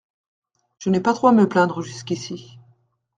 Je n'ai pas trop à me plaindre jusqu'ici.